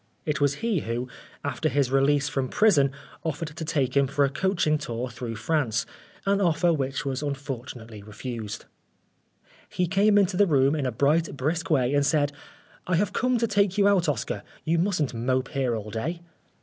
It was he who, after his release from prison, offered to take him for a 1 66 Oscar Wilde coaching tour through France, an offer which was unfortunately refused. He came into the room in a bright, brisk way and said, " I have come to take you out, Oscar. You mustn't mope here all day."